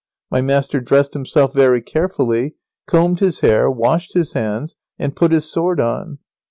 My master dressed himself very carefully, combed his hair, washed his hands, and put his sword on.